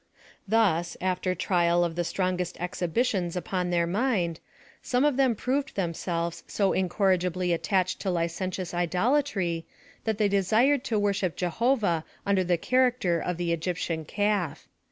Thus, after trial of the strongest exhibitions upon their mind, some of them proved themselves so incorrigibly attached to licentious idolatry that they desired to worship Jehovah under the character of the Egyptian calf.